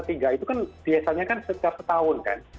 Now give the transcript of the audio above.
itu kan biasanya kan setiap setahun kan